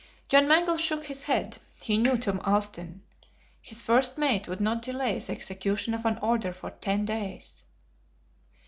John Mangles shook his head. He knew Tom Austin. His first mate would not delay the execution of an order for ten days.